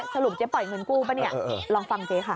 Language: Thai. สรุปเจ๊ปล่อยเงินกู้หรือลองฟังเจ๊ค่ะ